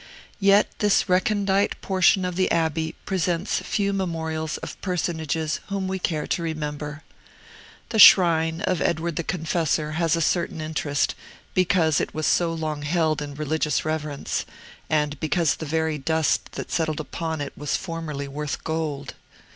Yet this recondite portion of the Abbey presents few memorials of personages whom we care to remember. The shrine of Edward the Confessor has a certain interest, because it was so long held in religious reverence, and because the very dust that settled upon it was formerly worth gold.